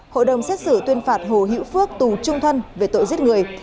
hội đồng xét xử tuyên phạt hồ hữu phước tù trung thân về tội giết người